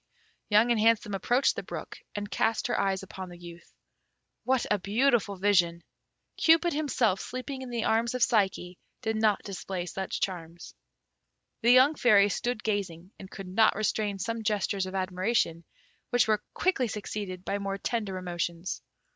Young and Handsome approached the brook, and cast her eyes upon the youth. What a beautiful vision! Cupid himself sleeping in the arms of Psyche did not display such charms. The young Fairy stood gazing, and could not restrain some gestures of admiration, which were quickly succeeded by more tender emotions.